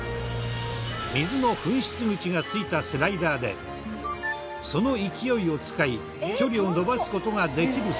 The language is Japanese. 水の噴出口が付いたスライダーでその勢いを使い距離を伸ばす事ができる装置。